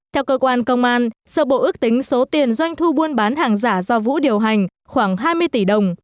theo cơ quan công an sở bộ ước tính số tiền doanh thu buôn bán hàng giả do vũ điều hành khoảng hai mươi tỷ đồng